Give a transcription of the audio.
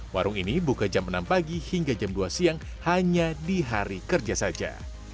warung ini buka jam enam pagi hingga jam dua siang hanya di hari kerja saja